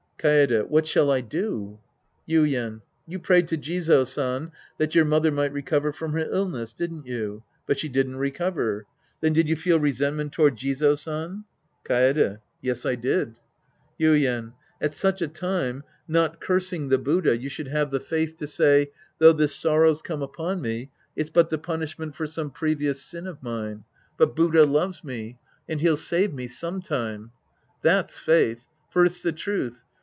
Kaede. What shall I do ? Ytden. You prayed to Jizo San that your mother might recover from her illness, didn't you ? But she didn't recover. Then did you feel resentment to ward Jizo San ? Kaede. Yes, I did. Yuien. At such a time, not cursing the Buddha, 150 The Priest and His Disciples Act IV you should have the faiih to say, " Though this sorrow's come upon me, it's but the punishment for some previous sin of imne. But Buddha loves me. And he'll save me, sometime." That's faith. For it's the truth.